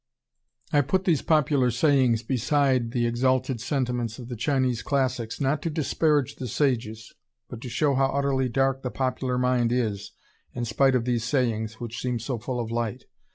I put these popular sayings beside the exalted sentiments of the Chinese Classics, not to disparage the sages, but to show how utterly dark the popular mind is, in spite of these sayings which seem so full of light.